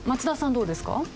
どうですか？